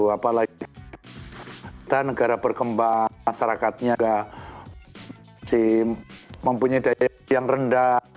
apalagi kita negara berkembang masyarakatnya mempunyai daya yang rendah